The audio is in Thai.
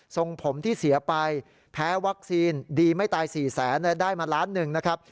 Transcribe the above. ส่งผมที่เสียไปแพ้วัคซีนดีไม่ตาย๔แสนได้มาล้านหนึ่งนะครับ